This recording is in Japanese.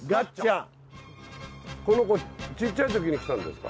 この子ちっちゃい時に来たんですか？